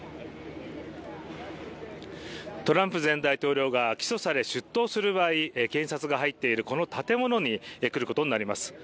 トランプ前大統領が起訴され出頭する場合検察が入っているこの建物に来ることになります。